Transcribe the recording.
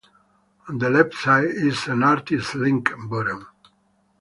On the left side is an "Artist Link" button.